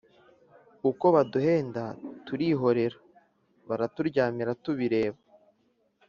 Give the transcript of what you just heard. Ukwo baduhenda turihoera Baraturyamira tubireba!